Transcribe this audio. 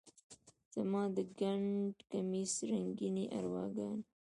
زما د ګنډ کمیس رنګینې ارواګانې،